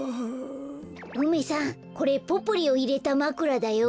梅さんこれポプリをいれたまくらだよ。